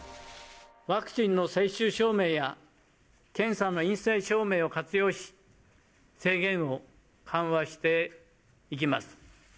ワクチンの接種証明や検査の陰性証明を活用し、制限を緩和していきます。